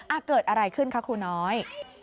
เกิดอะไรขึ้นคะครูน้อย